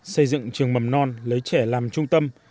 xây dựng trường mầm non lấy trẻ làm trung tâm